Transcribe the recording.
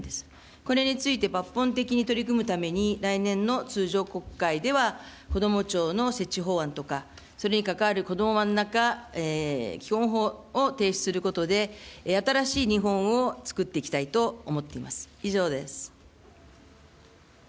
これについて、抜本的に取り組むために、来年の通常国会では、こども庁の設置法案とか、それに関わる基本法を提出することで、新しい日本をつくっていきたいと思っています。